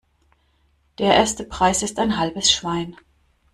Der erste Preis ist ein halbes Schwein.